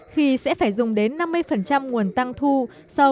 khi sẽ phải dùng đến năm mươi nguồn tăng thu so với tăng lương